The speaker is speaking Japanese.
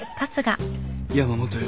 山本よ。